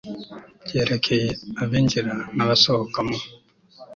byerekeye abinjira n abasohoka mu